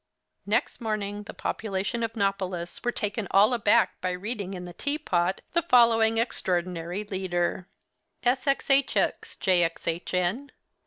Next morning the population of Nopolis were taken all aback by reading in 'The Tea Pot,' the following extraordinary leader: 'Sx hx, Jxhn!